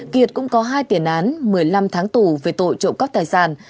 kiệt cũng có hai tiền án một mươi năm tháng tù về tội trộm cắp tài sản